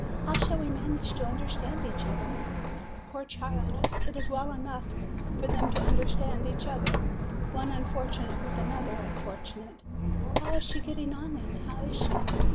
How shall we manage to understand each other, poor child! It is well enough for them to understand each other, one THE DEAF MUTE 301 unfortunate with another unfortunate. How is she getting on, then? How is she?"